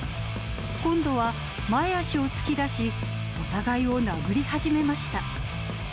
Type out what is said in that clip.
今度は前足を突き出し、お互いを殴り始めました。